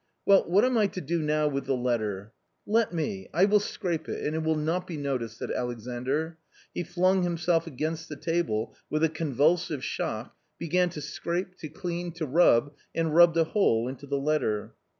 Well, what am I to do now with the letter?" —'." "Eet me — I will scrape it, and it will not be noticed," said Alexandr." He* Hung himself against "the table' wltT^a convulsive shock, began to scrape, to clean, to rub, and ru"Bbed a hole into the letter.